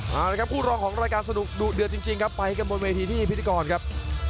เอาละครับคู่รองของรายการสนุกดุเดือดจริงครับไปกันบนเวทีที่พิธีกรครับ